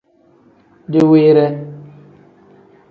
Diwiire.